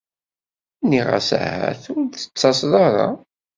Nniɣ-as ahat ur d-tettaseḍ ara.